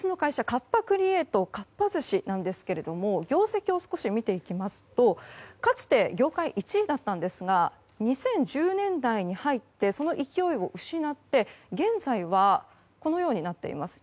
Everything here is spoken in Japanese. カッパ・クリエイトかっぱ寿司なんですけれども業績を少し見ていきますとかつて業界１位だったんですが２０１０年代に入ってその勢いを失って現在はこのようになっています。